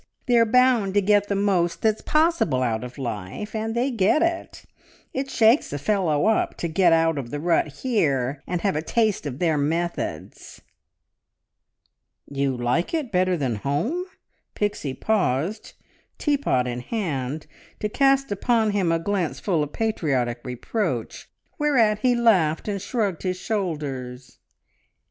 They're bound to get the most that's possible out of life, and they get it! It shakes a fellow up to get out of the rut here and have a taste of their methods." "You like it better than home?" Pixie paused, teapot in hand, to cast upon him a glance full of patriotic reproach, whereat he laughed and shrugged his shoulders.